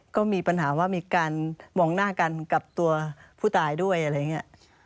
ก็มีปัญหาว่ามีการมองหน้ากันกับตัวผู้ตายด้วยอะไรอย่างนี้